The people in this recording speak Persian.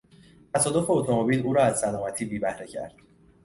تصادف اتومبیل او را از سلامتی بیبهره کرد.